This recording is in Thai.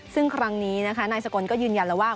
ซึ่งครั้งนี้นะคะนายสกลก็ยืนยันแล้วว่า